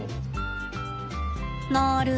なる。